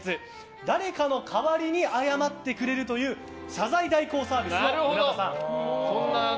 誰かの代わりに謝ってくれるという謝罪代行サービスの村田さん。